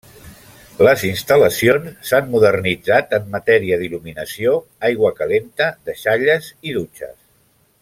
Les instal·lacions s'han modernitzat en matèria d'il·luminació, aigua calenta, deixalles i dutxes.